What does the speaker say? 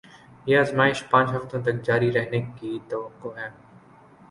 یہ آزمائش پانچ ہفتوں تک جاری رہنے کی توقع ہے